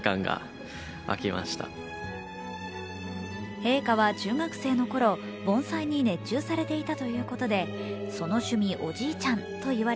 陛下は中学生の頃、盆栽に熱中されていたということで「その趣味、おじいちゃん」といわれ